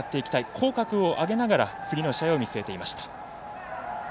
口角を上げながら次の試合を見据えていました。